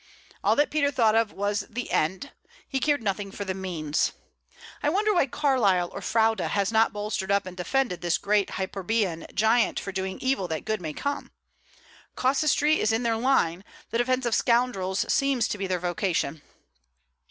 All that Peter thought of was the end; he cared nothing for the means. I wonder why Carlyle or Froude has not bolstered up and defended this great hyperborean giant for doing evil that good may come. Casuistry is in their line; the defence of scoundrels seems to be their vocation.